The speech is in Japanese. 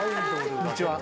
こんにちは！